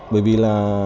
bởi vì là